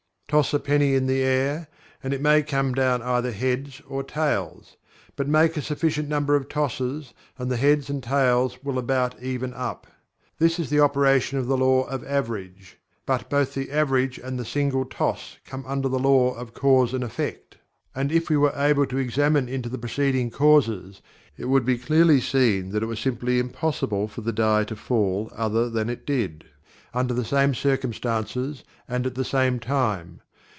Toss a penny in the air, and it may come down either "heads" or "tails"; but make a sufficient number of tosses, and the heads and tails will about even up. This is the operation of the law of average. But both the average and the single toss come under the Law of Cause and Effect, and if we were able to examine into the preceding causes, it would be clearly seen that it was simply impossible for the die to fall other than it did, under the same circumstances and at the same time.